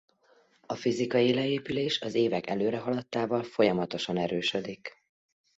A fizikai leépülés az évek előrehaladtával folyamatosan erősödik.